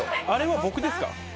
あれは、僕ですか？